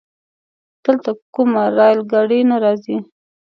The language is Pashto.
دلته کومه رايل ګاډی نه راځي؟